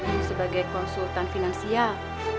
lu sebagai konsultan finansial